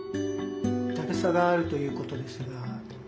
だるさがあるということですが。